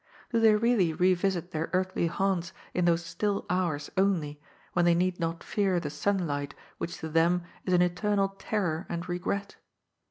Do they really revisit their earthly haunts in those still hours only, when they need not fear the sun light which to them is an eternal terror and regret?